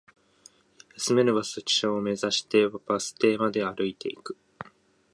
休める場所を目指して、バス停まで歩いていく